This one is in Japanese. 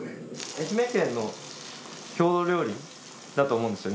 愛媛県の郷土料理だと思うんですよ